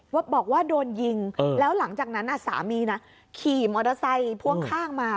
บอกว่าโดนยิงแล้วหลังจากนั้นสามีนะขี่มอเตอร์ไซค์พ่วงข้างมา